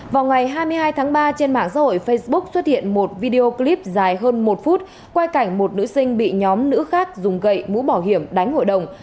vào ngày hai mươi hai tháng ba trên mạng xã hội facebook xuất hiện một video clip dài hơn một phút quay cảnh một nữ sinh bị nhóm nữ khác dùng gậy mũ bảo hiểm đánh hội đồng